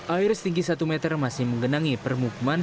air setinggi satu meter masih menggenangi permukiman